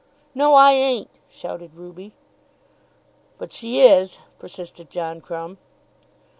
"No, I ain't," shouted Ruby. "But she is," persisted John Crumb.